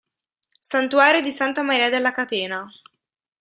Santuario di Santa Maria della Catena